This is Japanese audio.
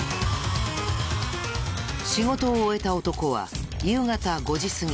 仕事を終えた男は夕方５時すぎ